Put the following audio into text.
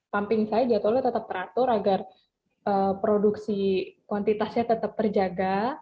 pumping saya jadwalnya tetap teratur agar produksi kuantitasnya tetap terjaga